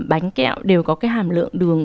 bánh kẹo đều có cái hàm lượng đường